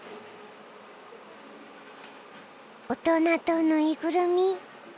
大人とぬいぐるみ。